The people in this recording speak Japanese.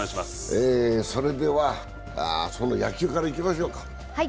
それではその野球からいきましょうか。